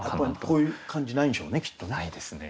こういう感じないんでしょうねきっとね。